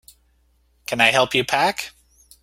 Can I help you pack?